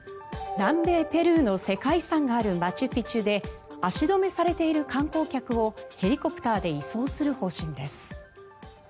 南米ペルーの世界遺産があるマチュピチュで足止めされている観光客をヘリコプターで移送する方針です。